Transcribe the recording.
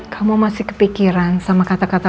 kamu masih kepikiran sama kata kata